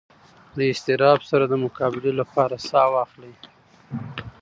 له اضطراب سره د مقابلې لپاره ساه واخلئ.